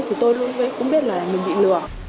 thì tôi cũng biết là mình bị lừa